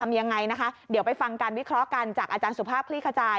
ยังไงนะคะเดี๋ยวไปฟังการวิเคราะห์กันจากอาจารย์สุภาพคลี่ขจาย